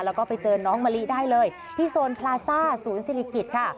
แล้วก็ไปเจอน้องมะลิได้เลยที่โซนพลาซ่าศูนย์ศิริกิจค่ะ